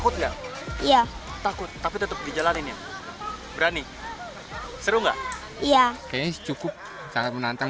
takut tapi tetap dijalankan berani seru enggak ya kayaknya cukup sangat menantang